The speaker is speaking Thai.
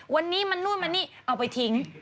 วันนี้มันนู่นมานี่เอาไปทิ้ง